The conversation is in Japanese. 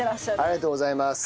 ありがとうございます。